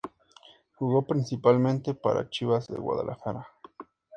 Jugó principalmente para Chivas de Guadalajara.